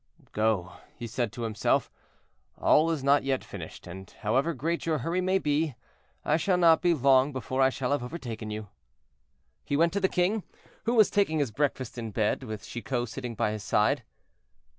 "Go," he said to himself, "all is not yet finished, and, however great your hurry may be, I shall not be long before I shall have overtaken you." He went to the king, who was taking his breakfast in bed, with Chicot sitting by his side.